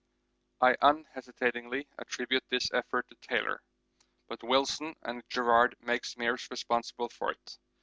I unhesitatingly attribute this effort to Taylor, but Wilson and Garrard make Meares responsible for it.